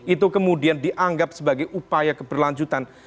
itu kemudian dianggap sebagai upaya keberlanjutan